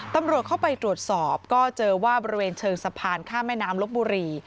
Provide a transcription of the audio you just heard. ตำรวจเข้าไปตรวจสอบก็เจอว่าบริเวณเชิงสะพานข้ามแม่น้ำลบบุรี